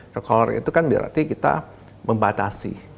true caller itu kan berarti kita membatasi